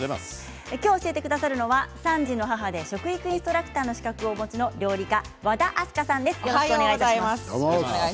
今日、教えてくださるのは３児の母で食育インストラクターの資格をお持ちの料理家、和田明日香さんです。